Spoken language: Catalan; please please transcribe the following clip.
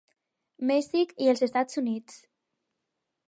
Mèxic i els Estats Units.